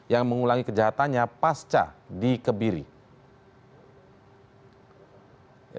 yang mengulangi kejahatannya pasca di kebiri